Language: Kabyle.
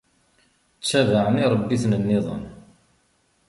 Ttabaɛen iṛebbiten-nniḍen.